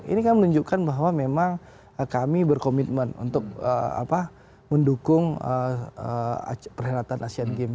ini kan menunjukkan bahwa memang kami berkomitmen untuk mendukung perhenatan asian game